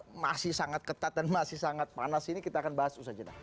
kalau tidak juga masih sangat ketat dan masih sangat panas ini kita akan bahas usaha jenah